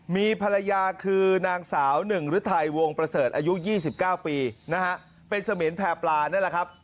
มีภรรยาคือนางสาวหนึ่งฤทัยวงประเสริฐอายุ๒๙ปีนะฮะเป็นเสมียนแพร่ปลานั่นแหละครับ